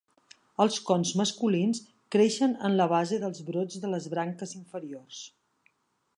Els cons masculins creixen en la base dels brots de les branques inferiors.